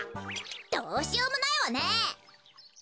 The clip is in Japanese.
どうしようもないわね！